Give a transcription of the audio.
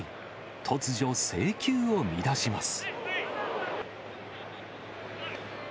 突如、制球を乱します。